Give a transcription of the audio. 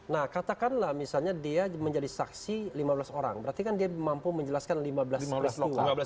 nah katakanlah misalnya dia menjadi saksi lima belas orang berarti kan dia mampu menjelaskan lima belas peristiwa